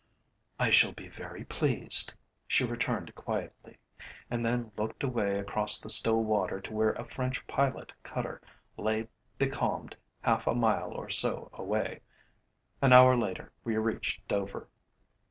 "I shall be very pleased," she returned quietly, and then looked away across the still water to where a French pilot cutter lay becalmed half a mile or so away. An hour later we reached Dover.